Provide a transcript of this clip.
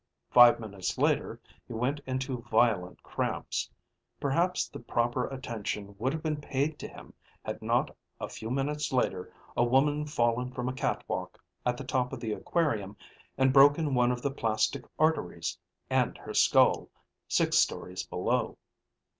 Five minutes later he went into violent cramps. Perhaps the proper attention would have been paid to him had not a few minutes later a woman fallen from a catwalk at the top of the aquarium and broken one of the plastic arteries and her skull, six stories below.